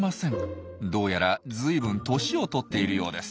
どうやらずいぶん年を取っているようです。